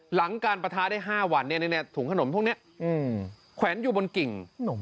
หลังการปะท้าได้๕วันถุงขนมพวกนี้แขวนอยู่บนกิ่ง